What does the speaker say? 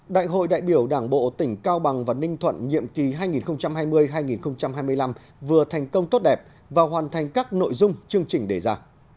đại hội đại biểu đảng bộ tỉnh cao bằng và ninh thuận nhiệm kỳ hai nghìn hai mươi hai nghìn hai mươi năm vừa thành công tốt đẹp và hoàn thành các nội dung chương trình đề ra